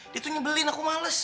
dia tuh nyebelin aku males